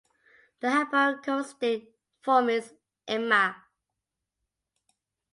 The hypocoristic form is Imma.